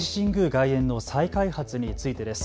外苑の再開発についてです。